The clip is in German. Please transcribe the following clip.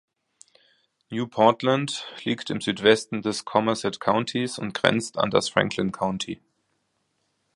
New Portland liegt im Südwesten des Somerset Countys und grenzt an das Franklin County.